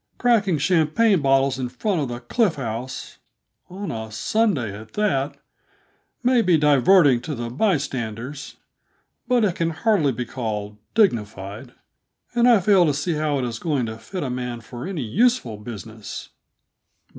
"Cracking champagne bottles in front of the Cliff House on a Sunday at that may be diverting to the bystanders, but it can hardly be called dignified, and I fail to see how it is going to fit a man for any useful business."